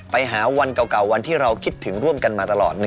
ไปหาวันเก่าวันที่เราคิดถึงร่วมกันมาตลอด